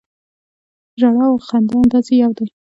د ژړا او د خندا انداز یې یو دی.